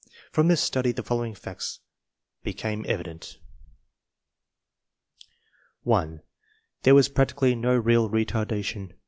From this study the following facts became evident: 1. There was practically no real retardation.